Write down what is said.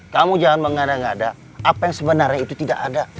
kamu jangan mengada ngada apa yang sebenarnya itu tidak ada